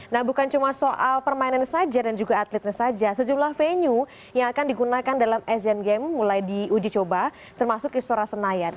nah bukan cuma soal permainan saja dan juga atletnya saja sejumlah venue yang akan digunakan dalam asian games mulai diuji coba termasuk istora senayan